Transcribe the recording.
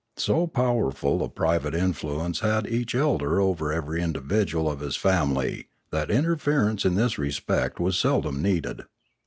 But so powerful a private in fluence had each elder over every individual of his family that interference in this respect was seldom needed.